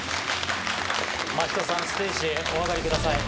真人さんステージへお上がりください。